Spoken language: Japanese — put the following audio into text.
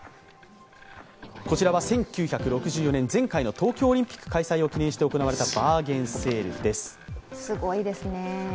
こちらは１９６４年、前回の東京オリンピック開催を記念して行われたすごいですね。